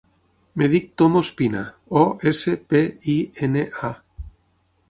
Em dic Tom Ospina: o, essa, pe, i, ena, a.